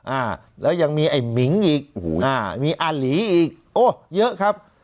อ่าแล้วยังมีไอ้หมิงอีกโอ้โหอ่ามีอาหลีอีกโอ้เยอะครับ